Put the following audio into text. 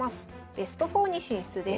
ベスト４に進出です。